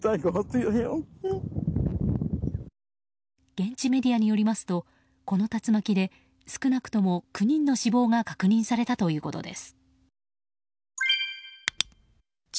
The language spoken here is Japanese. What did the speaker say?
現地メディアによりますとこの竜巻で少なくとも９人の死亡が確認されたということです。